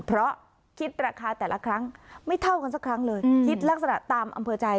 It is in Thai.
เพราะคิดราคาแต่ละครั้งไม่เท่ากันสักครั้งเลยคิดลักษณะตามอำเภอใจ